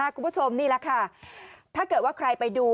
คุณผู้ชมนี่แหละค่ะถ้าเกิดว่าใครไปดู